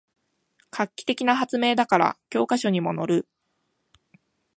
画期的な発明だから教科書にものる